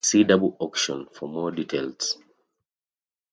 See double auction for more details.